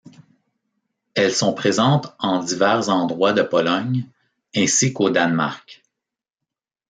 Elles sont présentes en divers endroits de Pologne, ainsi qu'au Danemark.